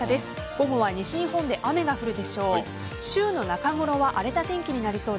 午後は西日本で雨が降るでしょう。